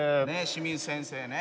清水先生ね。